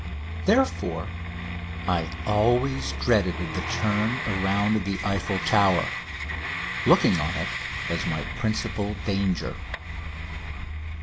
Therefore I always dreaded the turn round the Eiffel Tower, looking on it as my principal danger.